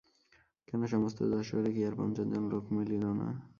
কেন, সমস্ত যশােহরে কি আর পঞ্চাশ জন লােক মিলিল না?